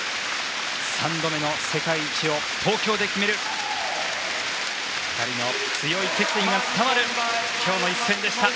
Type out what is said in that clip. ３度目の世界一を東京で決める２人の強い決意が伝わる今日の一戦でした。